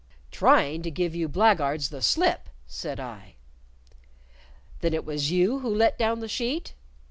"Trying to give you blackguards the slip," said I. "Then it was you who let down the sheet?"